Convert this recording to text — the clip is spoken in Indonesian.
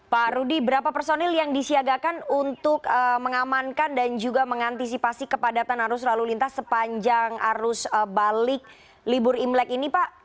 pak rudi berapa personil yang disiagakan untuk mengamankan dan juga mengantisipasi kepadatan arus lalu lintas sepanjang arus balik libur imlek ini pak